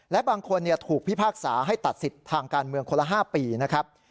และบางคนถูกพิพากษาให้ตัดสิทธิ์ทางการเมืองคนละ๕ปีนะครับ